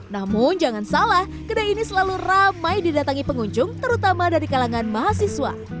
namun jangan salah kedai ini selalu ramai didatangi pengunjung terutama dari kalangan mahasiswa